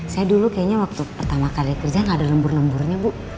saya dulu kayaknya waktu pertama kali kerja gak ada lembur lemburnya bu